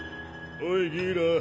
おいギーラ。